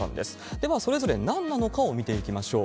では、それぞれなんなのかを見ていきましょう。